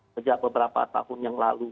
sejak beberapa tahun yang lalu